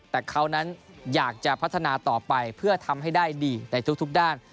แต่เขานั้นอยากจะพัฒนาต่อไปเพื่อทำให้ได้ดีในทุกด้าน